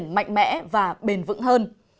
mạnh mẽ và bền vững hơn